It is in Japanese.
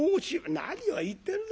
「何を言ってるだ。